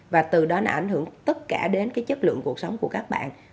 và từ đó nó ảnh hưởng tất cả đến cái chất lượng cuộc sống của các bạn